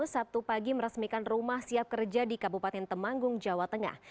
sabtu pagi meresmikan rumah siap kerja di kabupaten temanggung jawa tengah